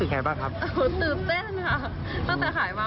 ขายมาประมาณ๒ปีกว่ากว่า